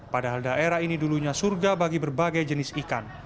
padahal daerah ini dulunya surga bagi berbagai jenis ikan